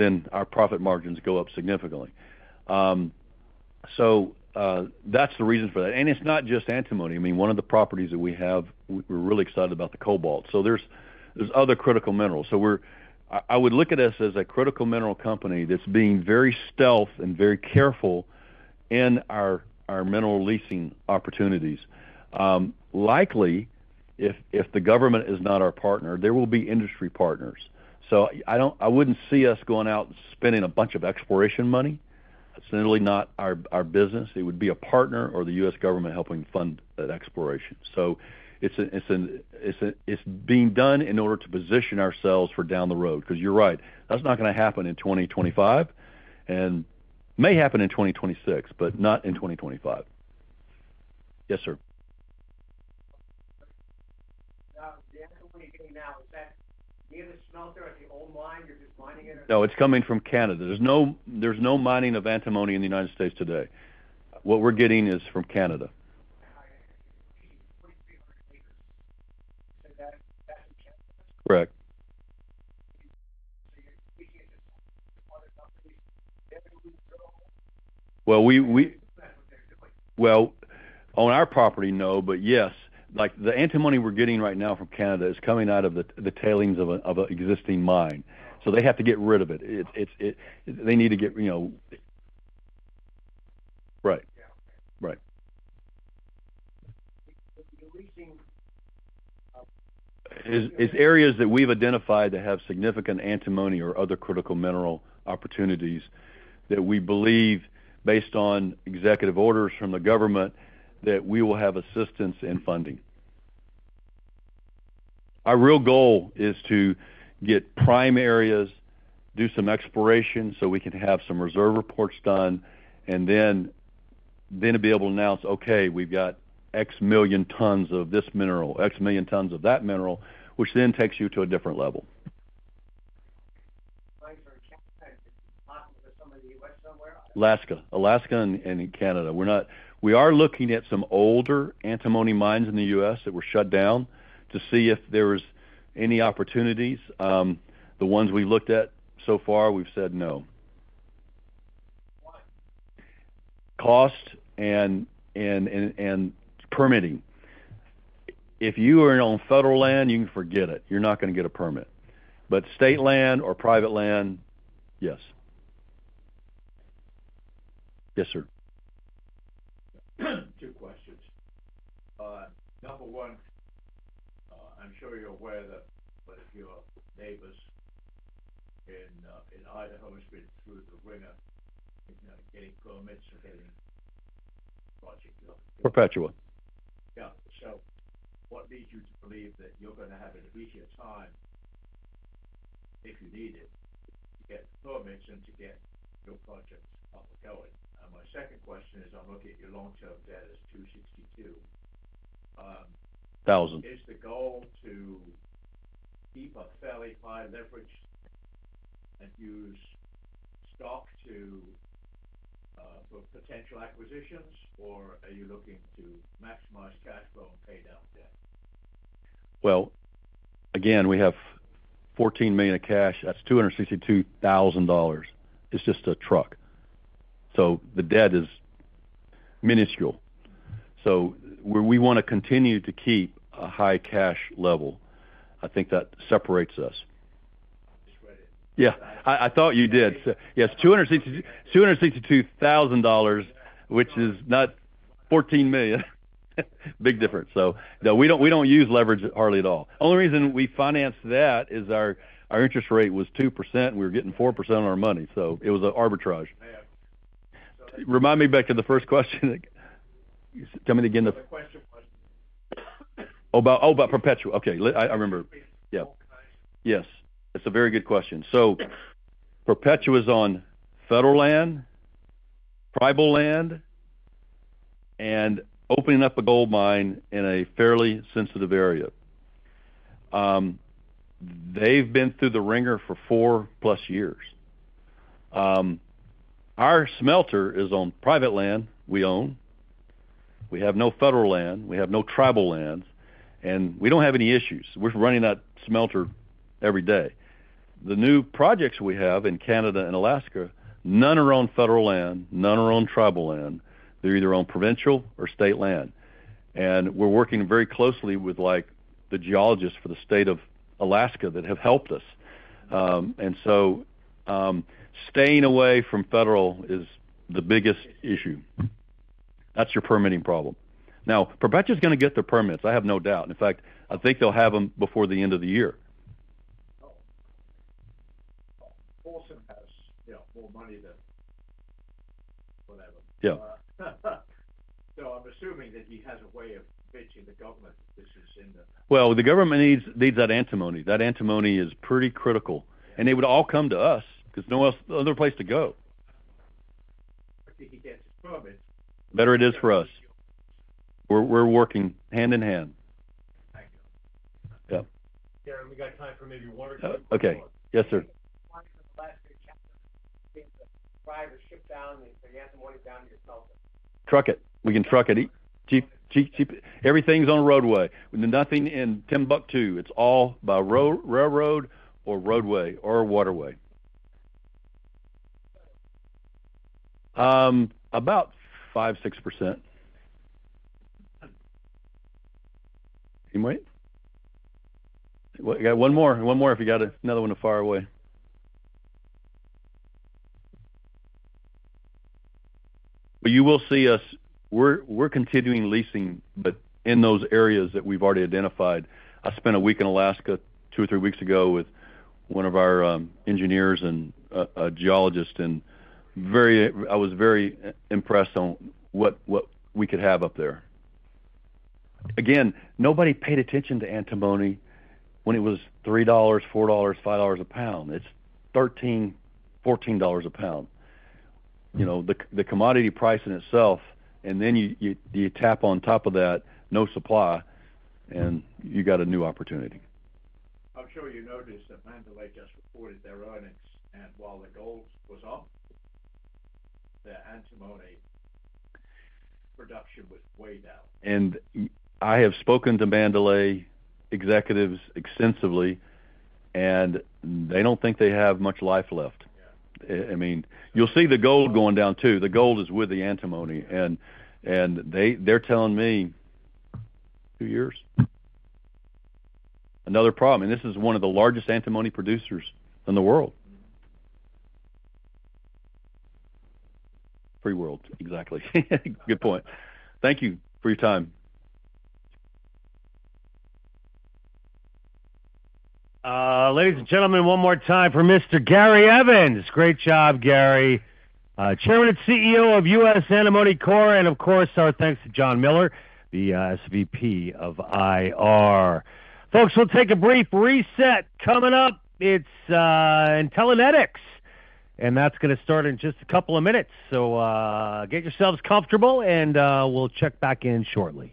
Then our profit margins go up significantly. So, that's the reason for that. And it's not just antimony. I mean, one of the properties that we have, we're really excited about the cobalt. So there's other critical minerals. So, I would look at us as a critical mineral company that's being very stealth and very careful in our mineral leasing opportunities. Likely, if the government is not our partner, there will be industry partners. So I wouldn't see us going out and spending a bunch of exploration money. It's really not our business. It would be a partner or the U.S. government helping fund that exploration. It's being done in order to position ourselves for down the road, because you're right, that's not gonna happen in 2025, and may happen in 2026, but not in 2025. Yes, sir. Now, the antimony you're getting now, is that near the smelter at the old mine, you're just mining it? No, it's coming from Canada. There's no mining of antimony in the United States today. What we're getting is from Canada. 4,300 meters, so that, that's in Canada? Correct. So you're speaking to other companies? They have to do their own- Well, we effectively. On our property, no, but yes, like, the antimony we're getting right now from Canada is coming out of the tailings of an existing mine. So they have to get rid of it, you know. Right. Yeah, okay. Right. The leasing. It's areas that we've identified that have significant antimony or other critical mineral opportunities that we believe, based on executive orders from the government, that we will have assistance in funding. Our real goal is to get prime areas, do some exploration, so we can have some reserve reports done, and then to be able to announce, "Okay, we've got X million tons of this mineral, X million tons of that mineral," which then takes you to a different level. Thanks for possible for some of the U.S. somewhere? Alaska and Canada. We are looking at some older antimony mines in the U.S. that were shut down to see if there was any opportunities. The ones we looked at so far, we've said no. Why? Cost and permitting. If you are on federal land, you can forget it. You're not gonna get a permit, but state land or private land, yes. Yes, sir. Two questions. Number one, I'm sure you're aware that one of your neighbors in Idaho has been through the wringer in getting permits and getting projects up. Perpetua. Yeah, so what leads you to believe that you're gonna have an easier time, if you need it, to get permits and to get your projects up and going? And my second question is, I'm looking at your long-term debt as $262. Thousand. Is the goal to keep a fairly high leverage and use stock to, for potential acquisitions, or are you looking to maximize cash flow and pay down debt? Again, we have $14 million of cash. That's $262,000. It's just a truck. So the debt is minuscule. So we wanna continue to keep a high cash level. I think that separates us. Just read it. Yeah, I thought you did. So yes, $262,000, $262,000, which is not $14 million. Big difference. So no, we don't use leverage hardly at all. Only reason we financed that is our interest rate was 2%, we were getting 4% on our money, so it was an arbitrage. May I ask? Remind me back to the first question. Tell me again the- The question was... Oh, about Perpetua. Okay, I remember. Yeah. Yes, that's a very good question. So Perpetua is on federal land, tribal land, and opening up a gold mine in a fairly sensitive area. They've been through the wringer for four-plus years. Our smelter is on private land we own. We have no federal land, we have no tribal lands, and we don't have any issues. We're running that smelter every day. The new projects we have in Canada and Alaska, none are on federal land, none are on tribal land. They're either on provincial or state land, and we're working very closely with, like, the geologists for the State of Alaska that have helped us, and so staying away from federal is the biggest issue. That's your permitting problem. Now, Perpetua's gonna get their permits, I have no doubt. In fact, I think they'll have them before the end of the year. Oh, awesome. Has, you know, more money than whatever. Yeah. So, I'm assuming that he has a way of pitching the government. This is in the- The government needs that antimony. That antimony is pretty critical, and they would all come to us because no other place to go. If he gets his permit. The better it is for us. We're, we're working hand in hand. Thank you. Yeah. Yeah, we got time for maybe one or two. Okay. Yes, sir. One from the last three rows. Get the ore shipped down, so you have the mining done yourself. Truck it. We can truck it. Cheap, cheap, cheap. Everything's on roadway. Nothing in Timbuktu. It's all by road, railroad or roadway or waterway. About 5-6%. Can you wait? We got one more. One more if you got another one to fire away. But you will see us. We're continuing leasing, but in those areas that we've already identified. I spent a week in Alaska, two or three weeks ago, with one of our engineers and a geologist, and I was very impressed on what we could have up there. Again, nobody paid attention to antimony when it was $3, $4, $5 a pound. It's $13, $14 a pound. You know, the commodity price in itself, and then you tap on top of that, no supply, and you got a new opportunity. I'm sure you noticed that Mandalay just reported their earnings, and while the gold was up, the antimony production was way down. I have spoken to Mandalay executives extensively, and they don't think they have much life left. I mean, you'll see the gold going down, too. The gold is with the antimony, and they, they're telling me two years. Another problem, and this is one of the largest antimony producers in the world. Free world, exactly. Good point. Thank you for your time. Ladies and gentlemen, one more time for Mr. Gary Evans. Great job, Gary, Chairman and CEO of U.S. Antimony Corp. And of course, our thanks to John Miller, the SVP of IR. Folks, we'll take a brief reset. Coming up, it's Intellinetics, and that's going to start in just a couple of minutes, so get yourselves comfortable, and we'll check back in shortly.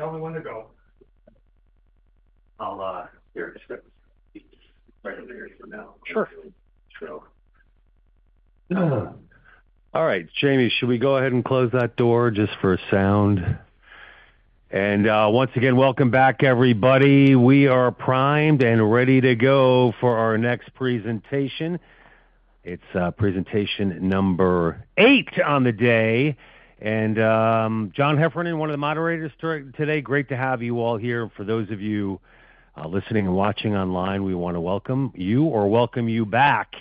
All right, Jamie, should we go ahead and close that door just for sound? And once again, welcome back, everybody. We are primed and ready to go for our next presentation. It's presentation number eight on the day, and John Heffernan, one of the moderators today. Great to have you all here. For those of you listening and watching online, we want to welcome you or welcome you back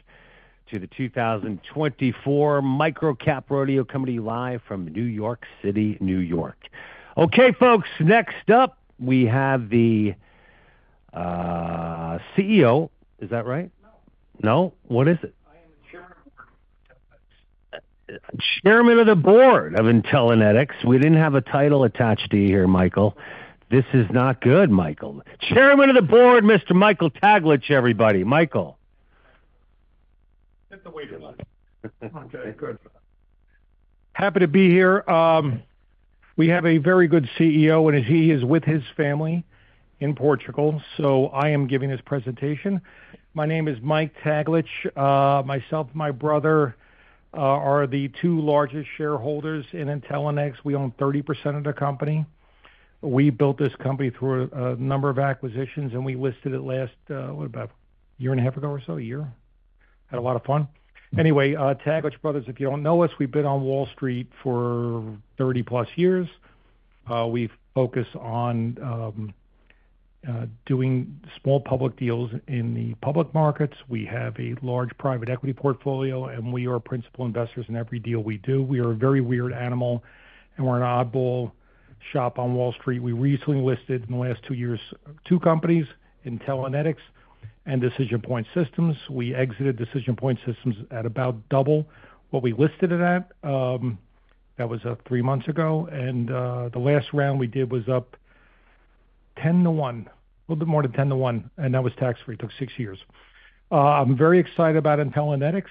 to the two thousand and twenty-four MicroCap Rodeo coming to you live from New York City, New York. Okay, folks, next up, we have the CEO. Is that right? No? What is it? I am the chairman. Chairman of the board of Intellinetics. We didn't have a title attached to you here, Michael. This is not good, Michael. Chairman of the board, Mr. Michael Taglich, everybody. Michael. Happy to be here. We have a very good CEO, and he is with his family in Portugal, so I am giving this presentation. My name is Mike Taglich. Myself and my brother are the two largest shareholders in Intellinetics. We own 30% of the company. We built this company through a number of acquisitions, and we listed it last, what about a year and a half ago or so? Had a lot of fun. Anyway, Taglich Brothers, if you don't know us, we've been on Wall Street for 30-plus years. We focus on doing small public deals in the public markets. We have a large private equity portfolio, and we are principal investors in every deal we do. We are a very weird animal, and we're an oddball shop on Wall Street. We recently listed, in the last two years, two companies, Intellinetics and DecisionPoint Systems. We exited DecisionPoint Systems at about double what we listed it at. That was three months ago, and the last round we did was up ten to one. A little bit more than ten to one, and that was tax-free. It took six years. I'm very excited about Intellinetics,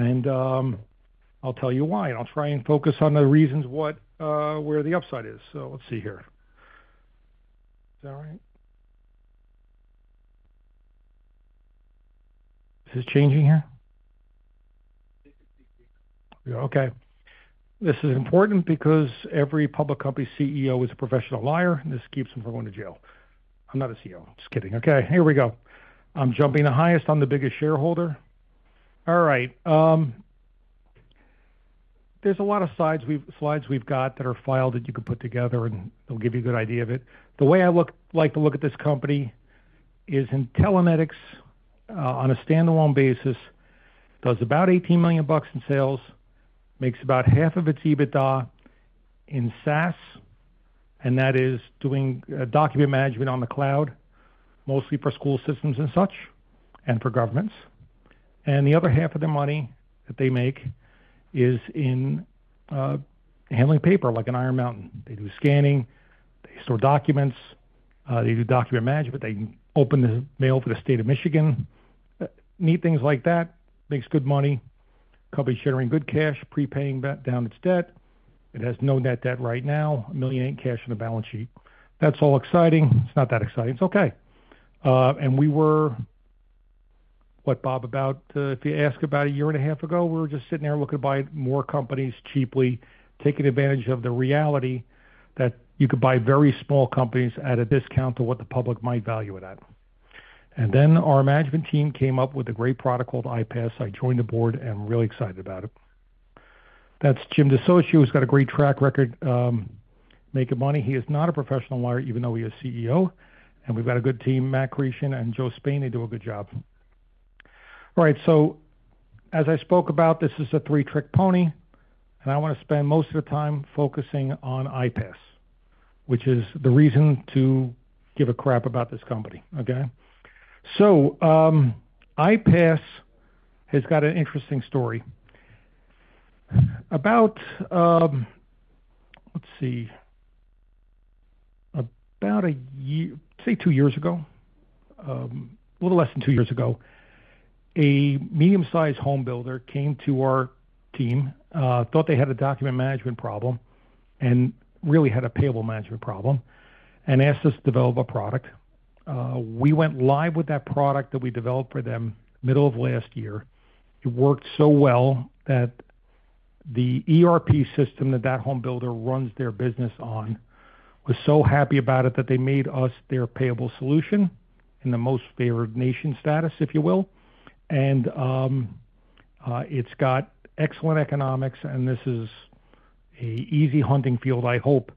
and I'll tell you why. I'll try and focus on the reasons where the upside is. So let's see here. Is that all right? Is this changing here? Okay. This is important because every public company CEO is a professional liar, and this keeps them from going to jail. I'm not a CEO. I'm just kidding. Okay, here we go. I'm jumping the highest. I'm the biggest shareholder. All right, there's a lot of slides we've got that are filed, that you can put together, and it'll give you a good idea of it. The way I look, like to look at this company is Intellinetics on a standalone basis, does about $18 million in sales, makes about half of its EBITDA in SaaS, and that is doing document management on the cloud, mostly for school systems and such, and for governments. And the other half of the money that they make is in handling paper, like an Iron Mountain. They do scanning, they store documents, they do document management. They open the mail for the state of Michigan, neat things like that. Makes good money, company sharing good cash, prepaying back down its debt. It has no net debt right now, $1 million in cash on the balance sheet. That's all exciting. It's not that exciting. It's okay, and we were, what, Bob, about, if you ask about a year and a half ago, we were just sitting there looking to buy more companies cheaply, taking advantage of the reality that you could buy very small companies at a discount to what the public might value it at. And then our management team came up with a great product called IPAS. I joined the board and I'm really excited about it. That's Jim DeSocio, who's got a great track record, making money. He is not a professional lawyer, even though he is CEO, and we've got a good team, Matt Chretien and Joe Spain. They do a good job. All right, so as I spoke about, this is a three-trick pony, and I want to spend most of the time focusing on IPAS, which is the reason to give a crap about this company, okay? IPAS has got an interesting story. About a year, say, two years ago, a little less than two years ago, a medium-sized home builder came to our team, thought they had a document management problem and really had a payable management problem, and asked us to develop a product. We went live with that product that we developed for them middle of last year. It worked so well that the ERP system that that home builder runs their business on was so happy about it that they made us their payable solution in the most favored nation status, if you will. It’s got excellent economics, and this is an easy hunting field, I hope,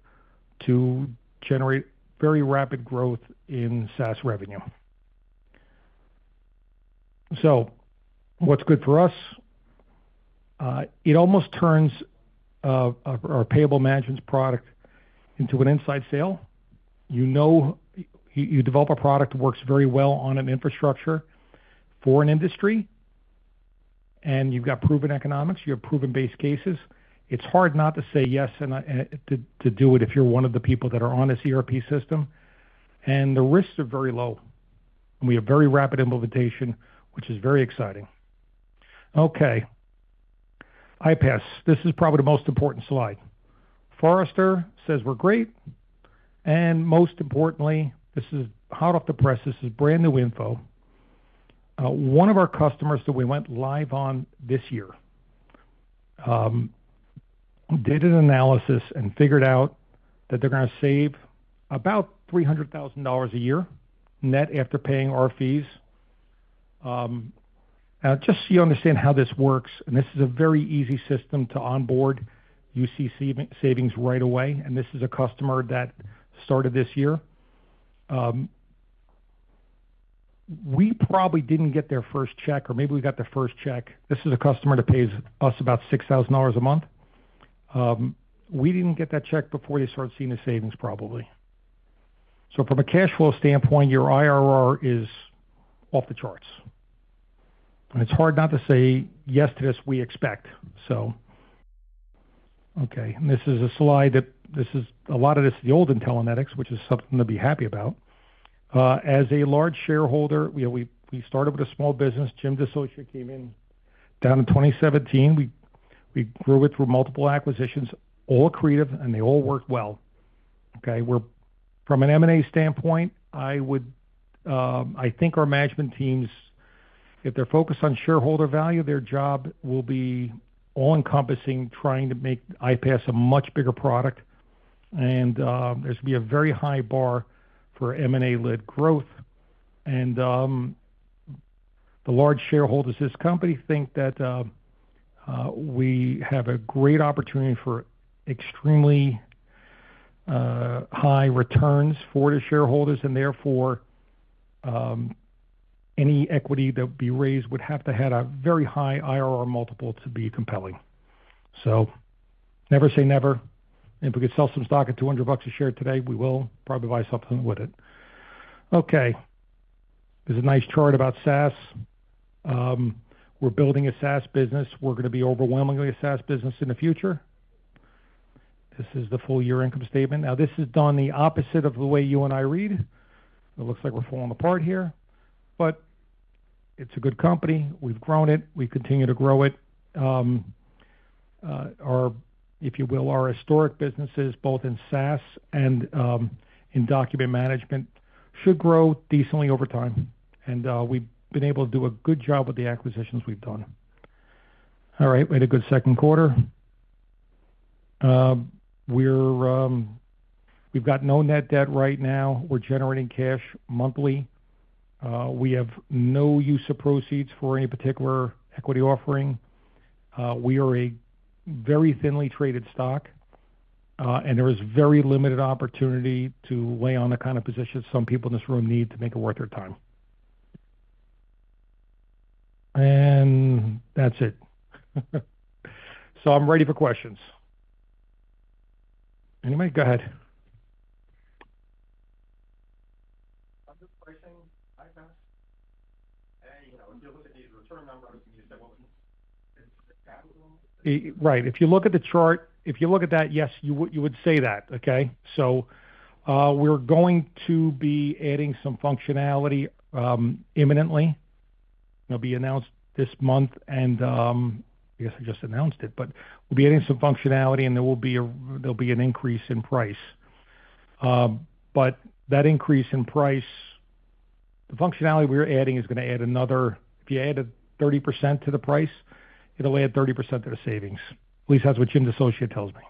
to generate very rapid growth in SaaS revenue. So what’s good for us? It almost turns our payable management product into an inside sale. You know, you develop a product that works very well on an infrastructure for an industry, and you’ve got proven economics, you have proven base cases. It’s hard not to say yes, and to do it if you’re one of the people that are on this ERP system, and the risks are very low, and we have very rapid implementation, which is very exciting. Okay, IPAS, this is probably the most important slide. Forrester says we’re great, and most importantly, this is hot off the press. This is brand-new info. One of our customers that we went live on this year did an analysis and figured out that they're gonna save about $300,000 a year, net after paying our fees. Just so you understand how this works, and this is a very easy system to onboard, you see savings right away, and this is a customer that started this year. We probably didn't get their first check, or maybe we got their first check. This is a customer that pays us about $6,000 a month. We didn't get that check before they started seeing the savings, probably, so from a cash flow standpoint, your IRR is off the charts, and it's hard not to say yes to this, we expect so. Okay, and this is a slide that. This is a lot of this, the old Intellinetics, which is something to be happy about. As a large shareholder, we started with a small business. Jim DeSocio came in in 2017. We grew it through multiple acquisitions, all creative, and they all worked well. From an M&A standpoint, I would, I think our management team, if they're focused on shareholder value, their job will be all-encompassing, trying to make IPAS a much bigger product. And there'll be a very high bar for M&A-led growth. And the large shareholders of this company think that we have a great opportunity for extremely high returns for the shareholders, and therefore, any equity that would be raised would have to have a very high IRR multiple to be compelling. So never say never. If we could sell some stock at $200 a share today, we will probably buy something with it. Okay, there's a nice chart about SaaS. We're building a SaaS business. We're gonna be overwhelmingly a SaaS business in the future. This is the full year income statement. Now, this is done the opposite of the way you and I read. It looks like we're falling apart here, but it's a good company. We've grown it. We continue to grow it. Our, if you will, our historic businesses, both in SaaS and in document management, should grow decently over time, and we've been able to do a good job with the acquisitions we've done. All right, we had a good Q2. We've got no net debt right now. We're generating cash monthly. We have no use of proceeds for any particular equity offering. We are a very thinly traded stock, and there is very limited opportunity to lay on the kind of position some people in this room need to make it worth their time. And that's it. So I'm ready for questions. Anybody? Go ahead. I'm just placing IPAS, and, you know, if you look at these return numbers, you say, well, it's capital. Right. If you look at the chart, if you look at that, yes, you would say that, okay? So, we're going to be adding some functionality, imminently. It'll be announced this month, and, I guess I just announced it, but we'll be adding some functionality, and there'll be an increase in price. But that increase in price, the functionality we're adding is gonna add another... If you add a 30% to the price, it'll add 30% to the savings. At least that's what Jim DeSocio tells me.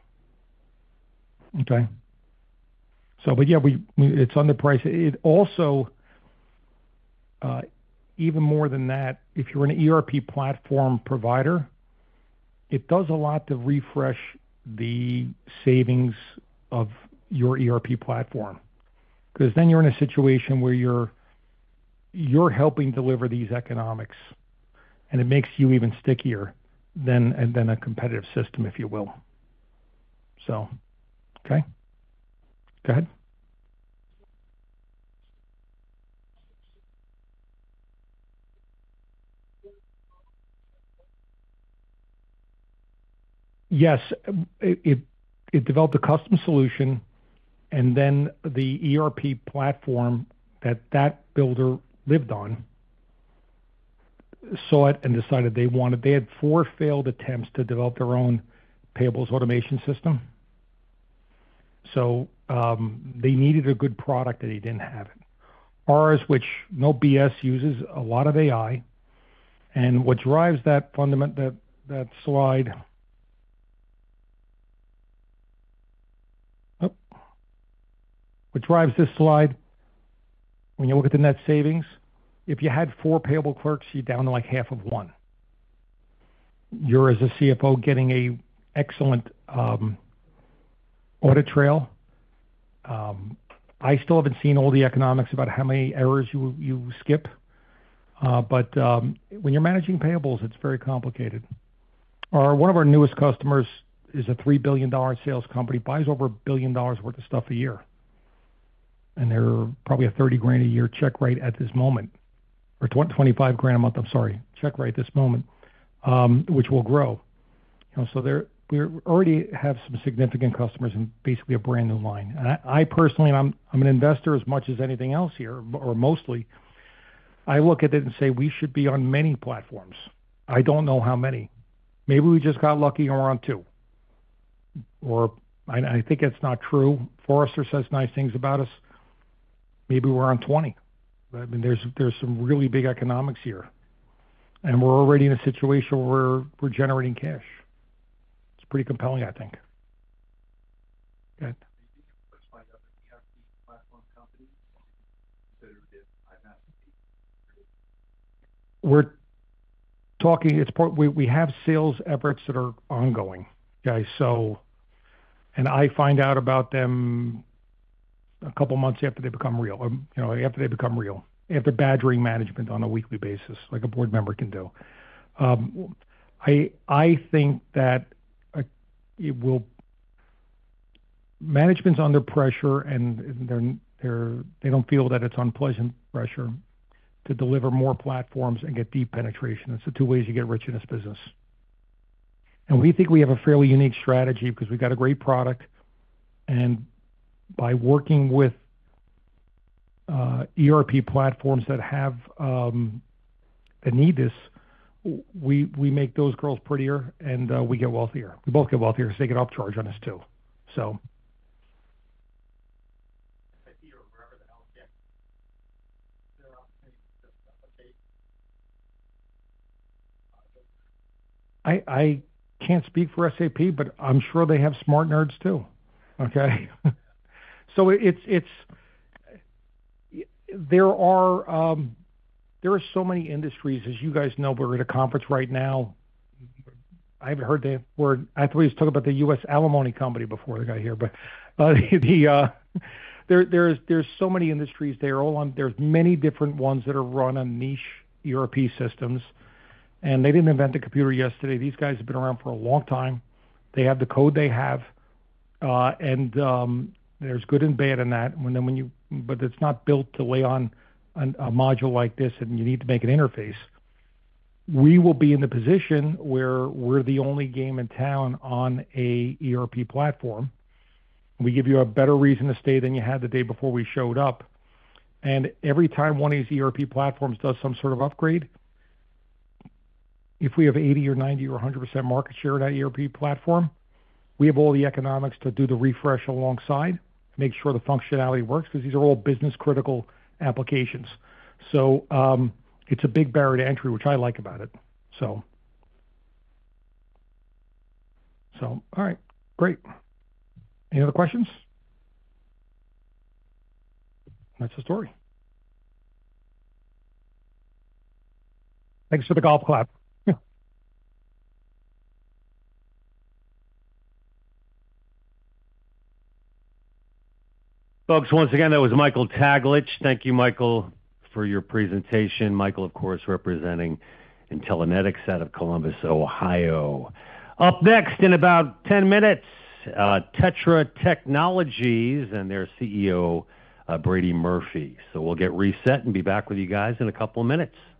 Okay? So, but yeah, it's underpriced. It also, even more than that, if you're an ERP platform provider, it does a lot to refresh the savings of your ERP platform, 'cause then you're in a situation where you're helping deliver these economics, and it makes you even stickier than a competitive system, if you will. So, okay? Go ahead. Yes, it developed a custom solution, and then the ERP platform that that builder lived on saw it and decided they wanted it. They had four failed attempts to develop their own payables automation system, so they needed a good product, and they didn't have it. Ours, which no BS, uses a lot of AI, and what drives that fundamental, that slide. What drives this slide, when you look at the net savings, if you had four payable clerks, you're down to, like, half of one. You're, as a CFO, getting an excellent audit trail. I still haven't seen all the economics about how many errors you skip, but when you're managing payables, it's very complicated. One of our newest customers is a $3 billion sales company, buys over $1 billion worth of stuff a year, and they're probably a $30,000 a year check rate at this moment, or $25,000 a month, I'm sorry, check rate at this moment, which will grow. You know, so they're. We already have some significant customers in basically a brand new line. And I personally, I'm an investor as much as anything else here, or mostly, I look at it and say, "We should be on many platforms." I don't know how many. Maybe we just got lucky, and we're on two. Or I think it's not true. Forrester says nice things about us. Maybe we're on 20. But, I mean, there's some really big economics here, and we're already in a situation where we're generating cash. It's pretty compelling, I think. Go ahead. Do you think you're pushed by the other ERP platform companies, so that it is IPAS? We're talking, it's part—we have sales efforts that are ongoing, guys. So, and I find out about them a couple months after they become real, you know, after badgering management on a weekly basis, like a board member can do. I think that it will. Management's under pressure, and they're they don't feel that it's unpleasant pressure to deliver more platforms and get deep penetration. That's the two ways you get rich in this business. And we think we have a fairly unique strategy because we've got a great product, and by working with ERP platforms that have that need this, we make those girls prettier, and we get wealthier. We both get wealthier, so they can upcharge on us, too. If you were wherever the hell, yeah, there are opportunities to replicate? I can't speak for SAP, but I'm sure they have smart nerds, too. Okay? So it's. There are there are so many industries, as you guys know, we're at a conference right now. I haven't heard the word. I thought we just talked about the US antimony company before I got here, but, so many industries. They're all on. There's many different ones that are run on niche ERP systems, and they didn't invent the computer yesterday. These guys have been around for a long time. They have the code they have, and, there's good and bad in that. But it's not built to lay on a module like this, and you need to make an interface. We will be in the position where we're the only game in town on a ERP platform. We give you a better reason to stay than you had the day before we showed up, and every time one of these ERP platforms does some sort of upgrade, if we have 80% or 90% or 100% market share at our ERP platform, we have all the economics to do the refresh alongside, make sure the functionality works, because these are all business-critical applications. So, it's a big barrier to entry, which I like about it. So all right. Great. Any other questions? That's the story. Thanks for the golf clap. Yeah. Folks, once again, that was Michael Taglich. Thank you, Michael, for your presentation. Michael, of course, representing Intellinetics out of Columbus, Ohio. Up next, in about 10 minutes, TETRA Technologies and their CEO, Brady Murphy. So we'll get reset and be back with you guys in a couple of minutes.